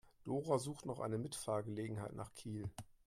Dora sucht noch eine Mitfahrgelegenheit nach Kiel.